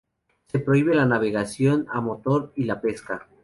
Se prohíbe la navegación a motor, y la pesca.